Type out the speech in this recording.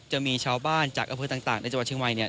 จะมีชาวบ้านจากอำเภอต่างในจังหวัดเชียงใหม่เนี่ย